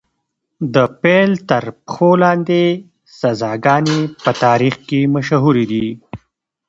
د پیل تر پښو لاندې سزاګانې په تاریخ کې مشهورې دي.